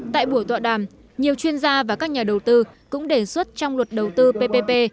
tại buổi tọa đàm nhiều chuyên gia và các nhà đầu tư cũng đề xuất trong luật đầu tư ppp